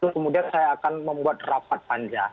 kemudian saya akan membuat rapat panja